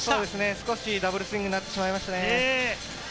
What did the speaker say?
少しダブルスイングになってしまいました。